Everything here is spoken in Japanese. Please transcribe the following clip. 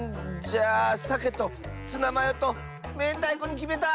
じゃあさけとツナマヨとめんたいこにきめた！